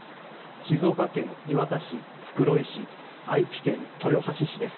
静岡県磐田市、袋井市愛知県豊橋市です。